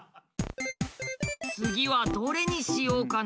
次はどれにしようかな。